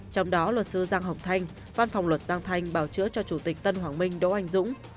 trong đó luật sư giang hồng thanh văn phòng luật giang thanh bảo chữa cho chủ tịch tân hoàng minh đỗ anh dũng